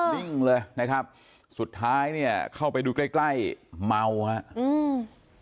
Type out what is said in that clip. นิ่งเลยนะครับสุดท้ายเนี่ยเข้าไปดูใกล้ใกล้เมาฮะอืม